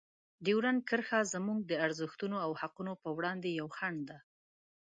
ډیورنډ کرښه زموږ د ارزښتونو او حقونو په وړاندې یوه خنډ ده.